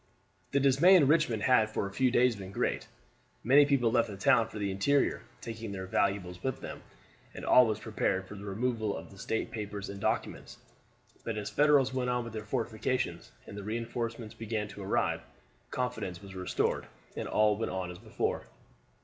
The dismay in Richmond had for a few days been great. Many people left the town for the interior, taking their valuables with them, and all was prepared for the removal of the state papers and documents. But as the Federals went on with their fortifications, and the reinforcements began to arrive, confidence was restored, and all went on as before.